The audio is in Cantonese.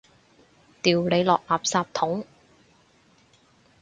掉你落垃圾桶！